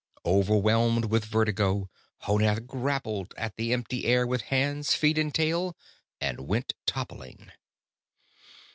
Overwhelmed with vertigo, Honath grappled at the empty air with hands, feet and tail and went toppling.